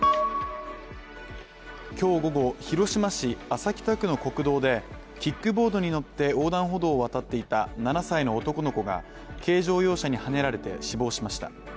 今日午後、広島市安佐北区の国道でキックボードに乗って横断歩道を渡っていた７歳の男の子が軽乗用車にはねられて死亡しました。